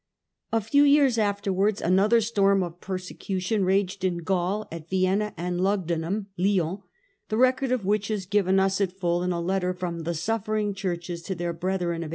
A few years afterwards another storm of persecution raged in Gaul, at Vienna ard Lugdunum (Lyons;, the The perse fccord of which is given us at full in a letter oition^a^^ from the suffering churches to their brethren of Lugdunum.